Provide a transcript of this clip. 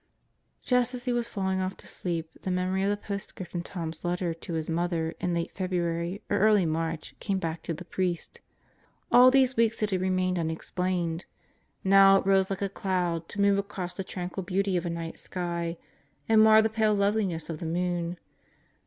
Just as he was falling off to sleep the memory of the postscript in Tom's letter to his mother in late February or early March came back to the priest. All these weeks it had remained unex plained. Now it rose like a cloud to move across the tranquil beauty of a night sky and mar the pale loveliness of the moon.